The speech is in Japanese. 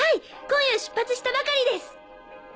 今夜出発したばかりです。